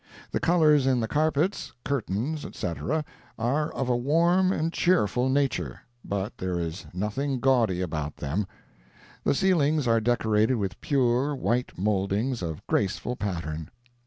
The colors in the carpets, curtains, etc., are of a warm and cheerful nature, but there is nothing gaudy about them. The ceilings are decorated with pure, white mouldings of graceful pattern.